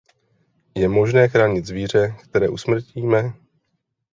Je možné chránit zvíře, které usmrtíme?